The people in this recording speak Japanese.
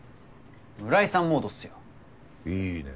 村井さんモードっすよ。いいね。